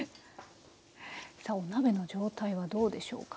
さあお鍋の状態はどうでしょうか？